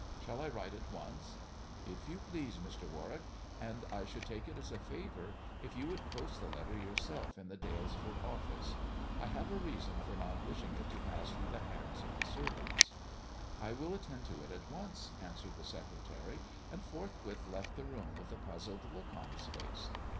"Shall I write at once?" "K you please, Mr. Warwick. And I should take it as a favour if you would post the letter yourself in the Dalesford office. I have a reason for not wishing it to pass through the hands of the servants." " I will attend to it at once," answered the secretary, and forthwith left the room, with a puzzled look on his face.